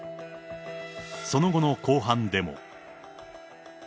その後の公判でも。